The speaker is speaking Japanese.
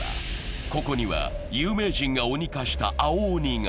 ここには有名人が鬼化した青鬼が。